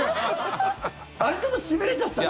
あれ、ちょっとしびれちゃったね！